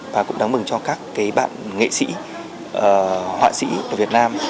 và cũng đáng mừng cho các bạn nghệ sĩ họa sĩ ở việt nam